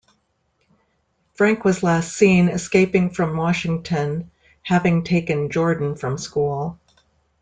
Frank was last seen escaping from Washington, having taken Jordan from school.